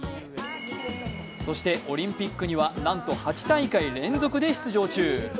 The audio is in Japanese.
そしてオリンピックにはなんと８大会連続で出場中。